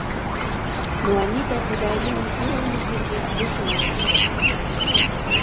Но Анита тиде айдемын кӧ улмыж нерген йӧршынат ыш шоналте.